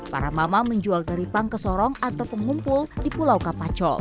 para mama menjual dari pang ke sorong atau pengumpul di pulau kapacol